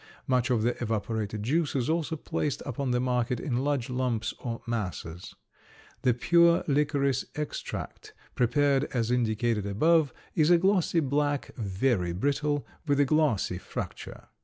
Much of the evaporated juice is also placed upon the market in large lumps or masses. The pure licorice extract, prepared as indicated above, is a glossy black, very brittle, with a glassy fracture.